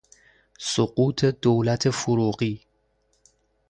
سقوط دولت فروغی